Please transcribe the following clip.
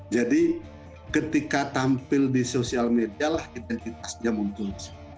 jadi ketika tampil di sosial media lah identitasnya muncul